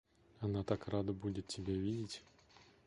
Она так рада будет тебя видеть.